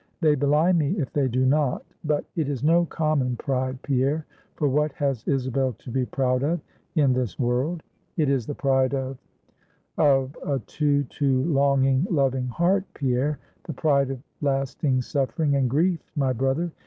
They belie me, if they do not. But it is no common pride, Pierre; for what has Isabel to be proud of in this world? It is the pride of of a too, too longing, loving heart, Pierre the pride of lasting suffering and grief, my brother!